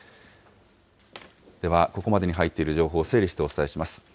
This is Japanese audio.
ではここまでに入っている情報を整理してお伝えします。